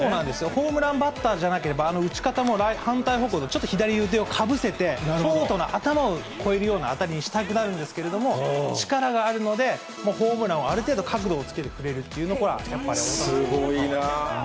ホームランバッターじゃなければあの打ち方も反対方向、ちょっと左腕をかぶせて、ショートの頭を越えるような当たりにしたくなるんですけど、力があるので、もうホームランをある程度角度をつけて振れるというところはやっすごいなあ。